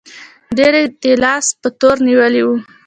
ډېر یې د اختلاس په تور نیولي وو.